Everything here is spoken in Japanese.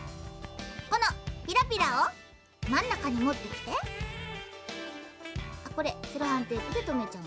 このピラピラをまんなかにもってきてセロハンテープでとめちゃう。